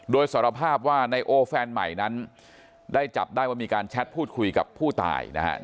โดยสารภาพว่านายโอแฟนใหม่นั้นได้จับได้ว่ามีการแชทพูดคุยกับผู้ตายนะครับ